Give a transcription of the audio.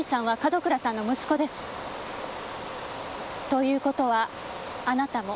ということはあなたも。